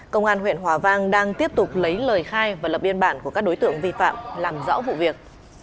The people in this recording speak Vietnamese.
công an huyện hòa vang đang tiếp tục lấy lời khai và lập biên bản của các đối tượng vi phạm làm rõ vụ việc